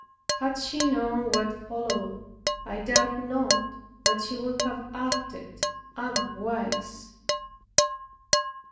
Had she known what followed, I doubt not but she would have acted otherwise.